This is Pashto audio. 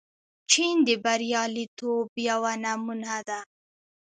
چین د بریالیتوب یوه نمونه ده.